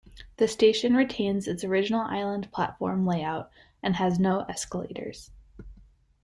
The station retains its original island platform layout and has no escalators.